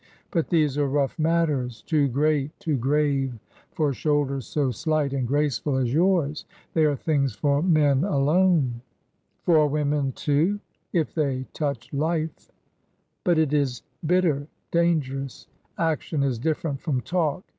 " But these are rough matters — too great, too grave, for shoulders so slight and graceful as yours. They are things for men alone." u ii \\\ TRANSITION. 269 " For women, too — if they touch life." , "But it is bitter — dangerous. Action is different from talk.